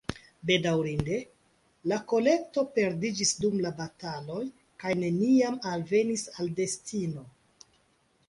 Bedaŭrinde, la kolekto perdiĝis dum la bataloj kaj neniam alvenis al destino.